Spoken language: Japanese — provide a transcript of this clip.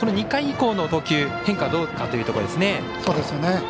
２回以降の投球変化はどうかというところですね。